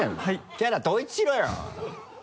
キャラ統一しろよ！